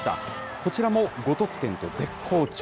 こちらも５得点と絶好調。